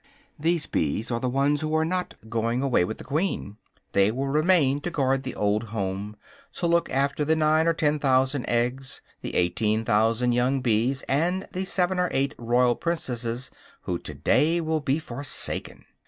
These bees are the ones who are not going away with the queen. They will remain to guard the old home, to look after the nine or ten thousand eggs, the eighteen thousand young bees, and the seven or eight royal princesses who to day will be forsaken.